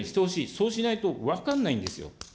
そうしないと分からないんですよ。